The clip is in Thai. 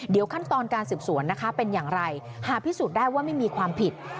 เดี๋ยวขั้นตอนการสืบสวนนะคะเป็นอย่างไรหาพิสูจน์ได้ว่าไม่มีความผิด